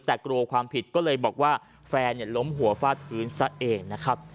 แต่กลัวความผิดก็เลยบอกว่าแฟนล้มหัวฟาดพื้นซะเองนะครับ